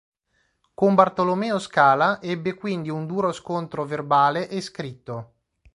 Con Bartolomeo Scala ebbe quindi un duro scontro verbale e scritto.